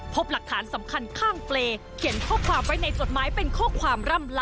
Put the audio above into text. พบหลักฐานสำคัญข้างเปรย์เขียนข้อความไว้ในจดหมายเป็นข้อความร่ำล้